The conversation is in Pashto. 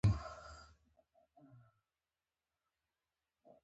هېچېرې دده د حجرو د سرچپه حرکت فلم نه و.